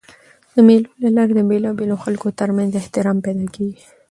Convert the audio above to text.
د مېلو له لاري د بېلابېلو خلکو تر منځ احترام پیدا کېږي.